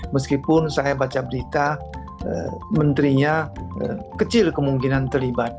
meskipun saya baca berita menterinya kecil kemungkinan terlibat